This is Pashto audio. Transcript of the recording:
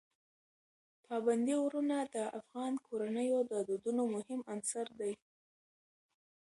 پابندي غرونه د افغان کورنیو د دودونو مهم عنصر دی.